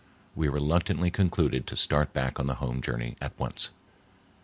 we reluctantly concluded to start back on the home journey at once.